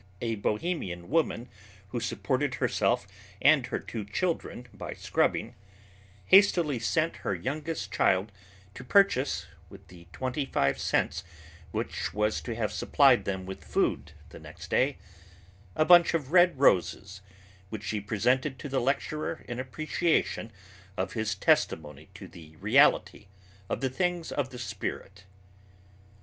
A Bohemian widow who supported herself and her two children by scrubbing, hastily sent her youngest child to purchase, with the twenty five cents which was to have supplied them with food the next day, a bunch of red roses which she presented to the lecturer in appreciation of his testimony to the reality of the things of the spirit.